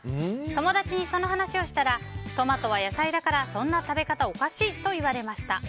友達にその話をしたらトマトは野菜だからそんな食べ方おかしいと言われました。